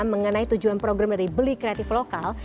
mengenai tujuan program dari beli kreatif lokal